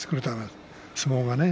相撲がね。